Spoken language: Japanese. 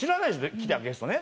来たゲストね。